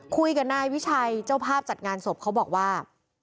คุยกับนายวิชัยเจ้าภาพจัดงานศพเขาบอกว่า